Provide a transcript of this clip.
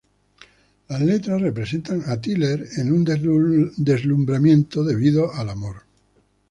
Las letras representan a Tyler en un deslumbramiento debido al amor.